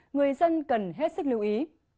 người dân cần hết sức lưu ý